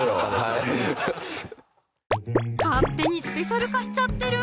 はい勝手にスペシャル化しちゃってる？